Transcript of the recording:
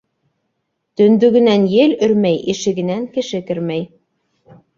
Төндөгөнән ел өрмәй, ишегенән кеше кермәй.